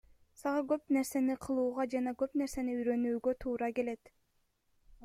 Сага көп нерсени кылууга жана көп нерсени үйрөнүүгө туура келет.